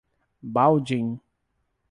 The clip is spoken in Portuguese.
Baldim